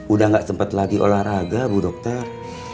udah gak sempat lagi olahraga bu dokter